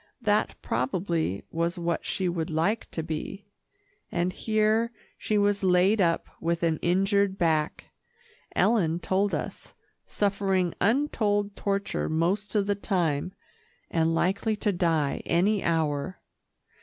That probably was what she would like to be, and here she was laid up with an injured back, Ellen told us, suffering untold torture most of the time, and likely to die any hour.